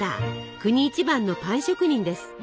国一番のパン職人です。